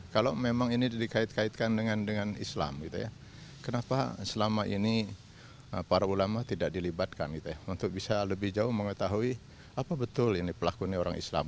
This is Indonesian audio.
kalau memang ini dikait kaitkan dengan islam kenapa selama ini para ulama tidak dilibatkan untuk bisa lebih jauh mengetahui apa betul pelakunya orang islam